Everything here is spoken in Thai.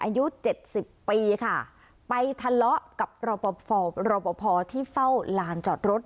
อายุเจ็ดสิบปีค่ะไปทะเลาะกับรอปภรอปภที่เฝ้าลานจอดรถ